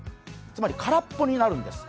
つまり空っぽになるんです。